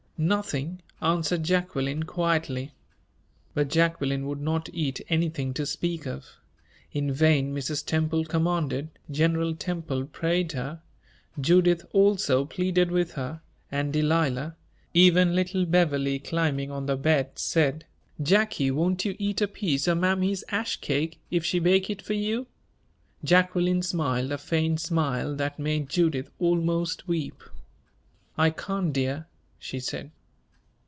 "Nothing," answered Jacqueline, quietly. But Jacqueline would not eat anything to speak of. In vain Mrs. Temple commanded, General Temple prayed her; Judith also pleaded with her, and Delilah even little Beverley, climbing on the bed, said: "Jacky, won't you eat a piece o' mammy's ash cake if she bake it for you?" Jacqueline smiled a faint smile that made Judith almost weep. "I can't, dear," she said.